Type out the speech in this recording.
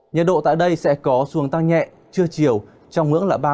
nhiệt độ tại đây sẽ có xuống tăng nhẹ chưa chiều trong ngưỡng là ba mươi đến ba mươi ba độ